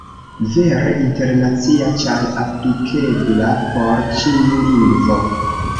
Vere internacia, ĉar aplikebla por ĉiu lingvo.